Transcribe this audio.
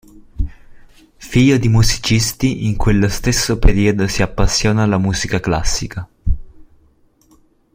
Figlio di musicisti, in quello stesso periodo si appassiona alla musica classica.